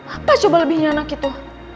apa coba lebih nyana gitu